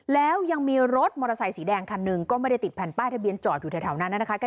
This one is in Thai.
แล้วยังมีรถมอเตอร์ไซสีแดงคันหนึ่งก็ไม่ได้ติดแผ่นป้ายทะเบียนจอดอยู่แถวนั้นนะคะ